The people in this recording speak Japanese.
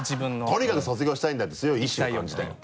とにかく卒業したいんだって強い意志を感じた今。